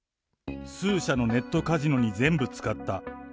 数社のネットカジノに全部使った。